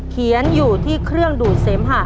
เขียนอยู่ที่เครื่องดูดเสมหะ